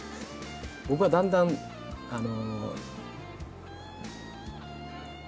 僕はだんだんあの。